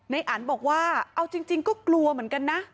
อันบอกว่าเอาจริงก็กลัวเหมือนกันนะ